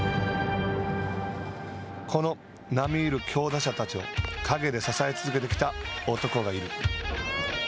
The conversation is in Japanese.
この並み居る強打者たちを陰で支え続けてきた男がいる。